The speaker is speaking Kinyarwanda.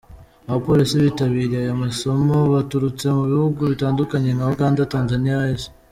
Abapolisi bitabiriye aya masomo baturutse mu bihugu bitandukanye nka Uganda, Tanzania, S.